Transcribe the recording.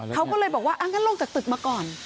เขาก็เลยบอกว่างั้นลงจากตึกมาก่อน